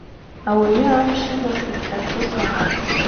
Ауаҩы амш имырхит ҳәа рҳәо смаҳац!